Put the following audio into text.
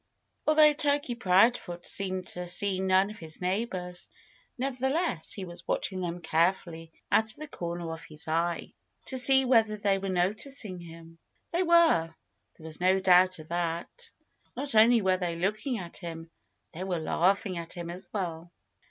Although Turkey Proudfoot seemed to see none of his neighbors, nevertheless he was watching them carefully out of the corner of his eye, to see whether they were noticing him. They were. There was no doubt of that. Not only were they looking at him; they were laughing at him as well.